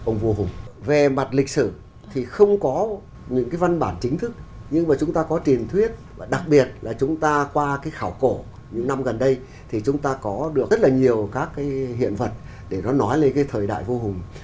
nhưng mà chúng ta có truyền thuyết và đặc biệt là chúng ta qua cái khảo cổ những năm gần đây thì chúng ta có được rất là nhiều các cái hiện vật để nó nói lên cái thời đại vô hùng